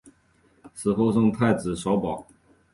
死后赠太子少保。